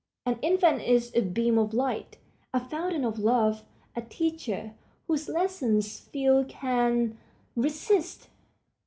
An infant is a beam of light, a fountain of love, a teacher, whose lessons few can resist.